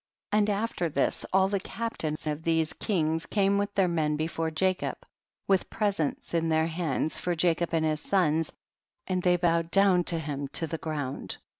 49. And after this all the captains of these kings came with their men before Jacob, with presents in their hands for Jacob and his sons, and they bowed down to him to the ground.